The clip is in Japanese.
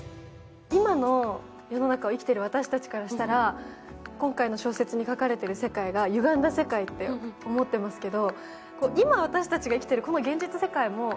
今の世の中を生きている私たちからしたら、今回の小説に書かれている世界が歪んだ世界だと思っていますけど。